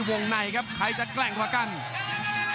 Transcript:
คนนองเดชน์เปรียดมาพยายามจะทิ้งให้มันขวาจะถึงตัวเลยครับ